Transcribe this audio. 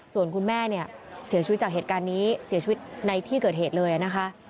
ส่วนคุณแม่เนี่ยเสียชีวิตจากเหตุการณ์นี้เสียชีวิตในที่เกิดเหตุเลยนะคะ